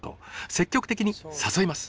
積極的に誘います。